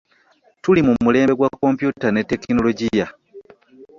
Tuli mu mulembe gwa kompyuta ne tekinogiya.